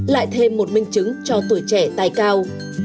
lại thêm một minh chứng cho tuổi trẻ tài cao